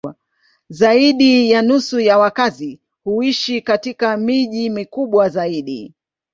Zaidi ya nusu ya wakazi huishi katika miji mikubwa zaidi.